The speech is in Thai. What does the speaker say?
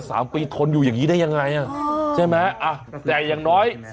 สามปีทนอยู่อย่างงี้ได้ยังไงอ่ะใช่ไหมอ่ะแต่อย่างน้อย